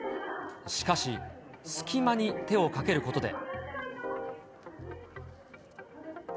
しかし、隙間に手をかけることで。